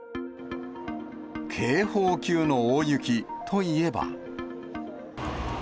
警報級の大雪といえば。